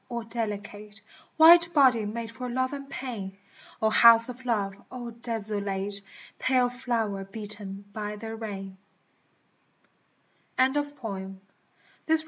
O delicate White body made for love and pain ! House of love ! O desolate Pale flower beaten by the rain I ["»] CHAKSOU A~j££.